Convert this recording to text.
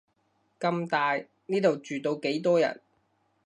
咁大，呢度住到幾多人